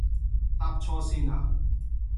搭錯線呀